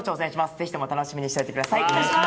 ぜひとも楽しみにしておいてください。